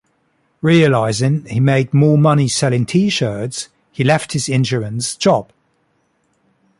Realizing he made more money selling T-shirts, he left his insurance job.